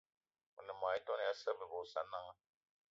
Me ne mô-etone ya Sa'a bebe y Osananga